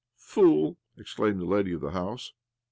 " Fool I " exclaimed the lady of the house.